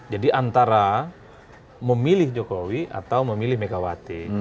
jadi antara memilih jokowi atau memilih megawati